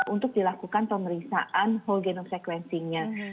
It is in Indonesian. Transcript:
untuk dilakukan pemeriksaan hogenum sequencing nya